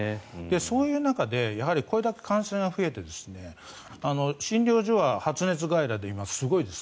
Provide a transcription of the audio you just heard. そういう中でこれだけ感染が増えて診療所は発熱外来で今、すごいです。